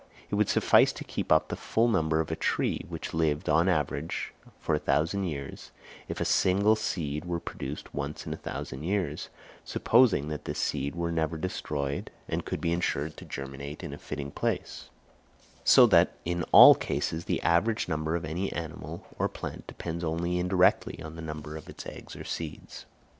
It would suffice to keep up the full number of a tree, which lived on an average for a thousand years, if a single seed were produced once in a thousand years, supposing that this seed were never destroyed and could be ensured to germinate in a fitting place; so that, in all cases, the average number of any animal or plant depends only indirectly on the number of its eggs or seeds.